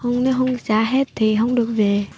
nếu không trả hết thì không được về